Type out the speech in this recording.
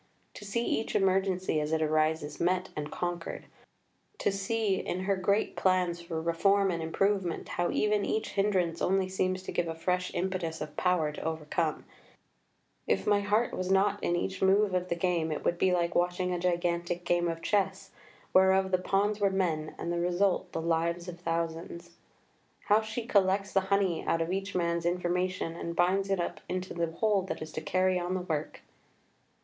To see each emergency as it arises met and conquered, to see in her great plans for reform and improvement, how even each hindrance only seems to give a fresh impetus of power to overcome (if my heart was not in each move of the game it would be like watching a gigantic game of chess, whereof the pawns were men and the result the lives of thousands); how she collects the honey out of each man's information and binds it up into the whole that is to carry on the work."